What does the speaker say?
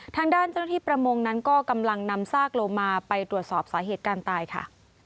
ทางด้านเจ้าหน้าที่ประมงนั้นก็กำลังนำซากโลมาไปตรวจสอบสาเหตุการตายค่ะ